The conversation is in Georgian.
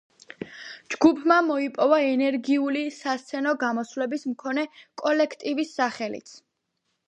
ჯგუფმა მოიპოვა ენერგიული სასცენო გამოსვლების მქონე კოლექტივის სახელიც.